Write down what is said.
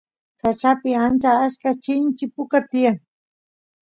sachapi ancha achka chinchi puka tiyan